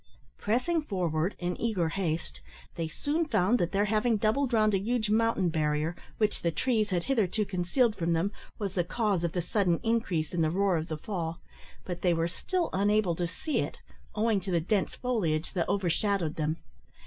Pressing forward in eager haste, they soon found that their having doubled round a huge mountain barrier, which the trees had hitherto concealed from them, was the cause of the sudden increase in the roar of the fall, but they were still unable to see it, owing to the dense foliage that overshadowed them.